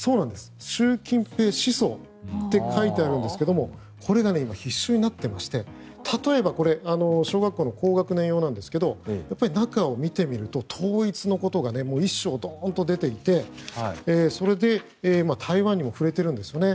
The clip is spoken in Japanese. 習近平思想と書いてあるんですがこれが今、必修になってまして例えば、これ小学校の高学年用なんですが中を見てみると、統一のことが１章にドンと出ていてそれで台湾にも触れているんですよね。